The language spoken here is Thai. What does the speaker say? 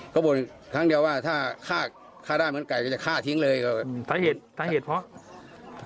ก็บ่นครั้งเดียวว่าถ้าฆ่าฆ่าได้เหมือนไก่ก็จะฆ่าทิ้งเลยก็สาเหตุสาเหตุเพราะ